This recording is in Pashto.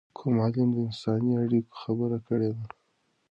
کوم عالم د انساني اړیکو خبره کړې ده؟